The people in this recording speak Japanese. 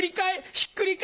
ひっくり返。